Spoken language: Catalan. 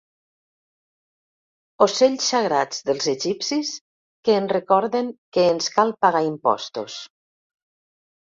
Ocells sagrats dels egipcis que ens recorden que ens cal pagar impostos.